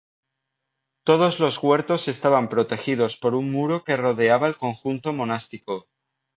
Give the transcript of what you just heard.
Todos los huertos estaban protegidos por un muro que rodeaba el conjunto monástico.